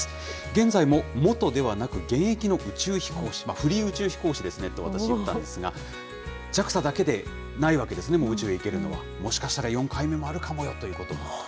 現在も、元ではなく現役の宇宙飛行士、フリー宇宙飛行士ですねと、私、いったんですが、ＪＡＸＡだけではないわけですね、もう宇宙に行けるのは、もしかしたら４回目もあるかもよということを。